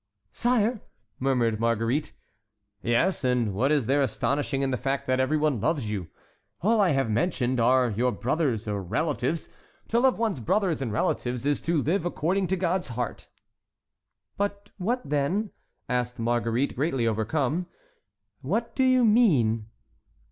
"Sire!" murmured Marguerite. "Yes; and what is there astonishing in the fact that every one loves you? All I have mentioned are your brothers or relatives. To love one's brothers and relatives is to live according to God's heart." "But what, then," asked Marguerite, greatly overcome, "what do you mean?"